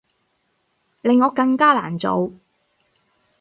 令我更加難做